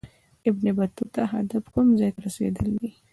د ابن بطوطه هدف کوم ځای ته رسېدل دي.